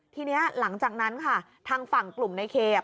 ทีนี้หลังจากนั้นค่ะทางฝั่งกลุ่มในเคพิเศษขวัญเนี่ย